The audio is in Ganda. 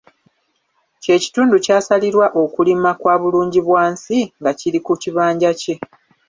Kye kitundu kyasalirwa okulima kwa bulungibwansi nga kiri ku kibanja kye.